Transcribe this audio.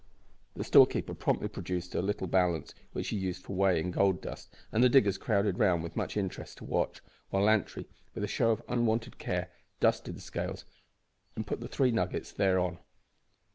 The storekeeper promptly produced the little balance which he used for weighing gold dust, and the diggers crowded round with much interest to watch, while Lantry, with a show of unwonted care, dusted the scales, and put the three nuggets therein.